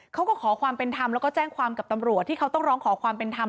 เขาก็ขอความเป็นธรรมแล้วก็แจ้งความกับตำรวจที่เขาต้องร้องขอความเป็นธรรม